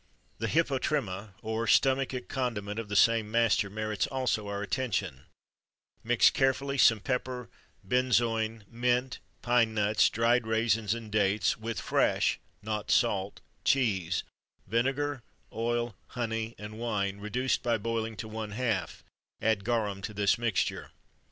[XXIII 40] The Hypotrimma, or stomachic condiment, of the same master, merits also our attention: Mix carefully some pepper, benzoin, mint, pine nuts, dried raisins, and dates, with fresh (not salt) cheese, vinegar, oil, honey, and wine, reduced by boiling to one half; add garum to this mixture.